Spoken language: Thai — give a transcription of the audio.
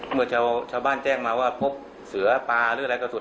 เมื่อชาวบ้านแจ้งมาว่าพบเสือปลาหรืออะไรกระสุน